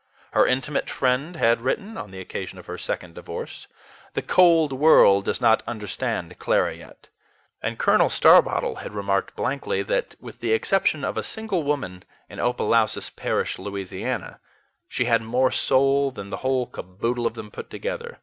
Her intimate friend had written (on the occasion of her second divorce), "The cold world does not understand Clara yet"; and Colonel Starbottle had remarked blankly that with the exception of a single woman in Opelousas Parish, La., she had more soul than the whole caboodle of them put together.